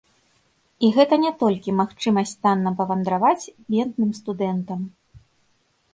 І гэта не толькі магчымасць танна павандраваць бедным студэнтам.